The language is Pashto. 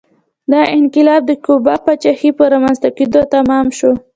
دا انقلاب د کیوبا پاچاهۍ په رامنځته کېدو تمام شو